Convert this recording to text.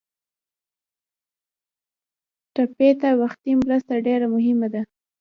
ټپي ته وختي مرسته ډېره مهمه ده.